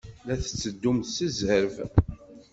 La tetteddumt s zzerb.